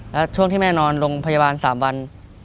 แล้วช่วงที่แม่นอนโรงพยาบาล๓วัน